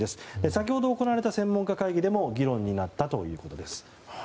先ほど行われた専門家会議でも議論になったということです。